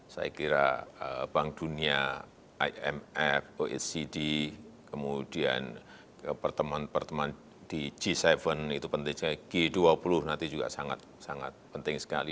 saya kira bank dunia imf oecd kemudian pertemuan pertemuan di g tujuh itu penting sekali g dua puluh nanti juga sangat sangat penting sekali